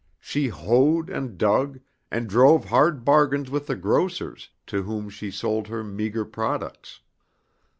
She hoed and dug and drove hard bargains with the grocers to whom she sold her meagre products.